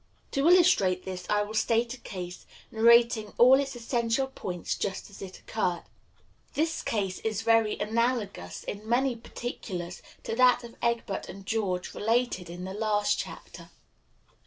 To illustrate this, I will state a case, narrating all its essential points just as it occurred. The case is very analogous, in many particulars, to that of Egbert and George related in the last chapter.